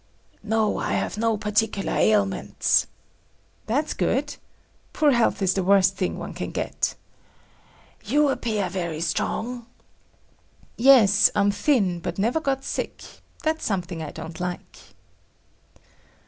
"No, I have no particular ailments……." "That's good. Poor health is the worst thing one can get." "You appear very strong." "Yes, I'm thin, but never got sick. That's something I don't like."